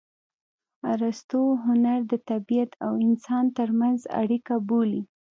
ارستو هنر د طبیعت او انسان ترمنځ اړیکه بولي